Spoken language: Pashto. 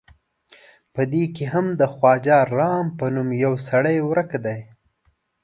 په دې کې هم د خواجه رام په نوم یو سړی ورک دی.